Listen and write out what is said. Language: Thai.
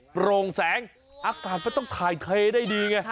โปร่งแสงอากาศมันต้องขายเคได้ดี